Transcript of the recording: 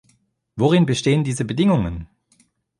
Worin bestehen diese Bedingungen?